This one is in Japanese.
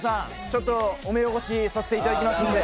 ちょっとお目汚しさせて頂きますんで。